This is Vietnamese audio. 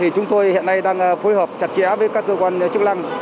chúng tôi hiện nay đang phối hợp chặt chẽ với các cơ quan chức năng